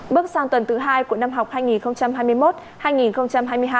bước sang tuần thứ hai của năm học hai nghìn hai mươi một hai nghìn hai mươi hai